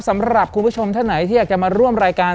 สำหรับคุณผู้ชมท่านไหนที่อยากจะมาร่วมรายการ